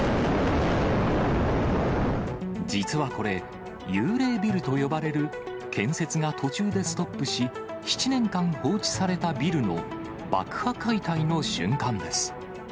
実はこれ、幽霊ビルと呼ばれる、建設が途中でストップし、７年間放置されたビルの爆破解体の瞬間です。